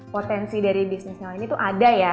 potensi dari bisnis sewa ini tuh ada ya